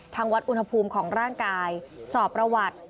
วัดอุณหภูมิของร่างกายสอบประวัติ